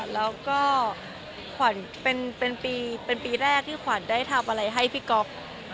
แล้วก็ขวัญเป็นปีแรกที่ขวัญได้ทำอะไรให้พี่ก๊อฟ